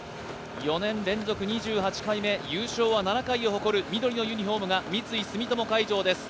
４年連続２８回目、優勝は７回を誇る緑のユニフォームが三井住友海上です。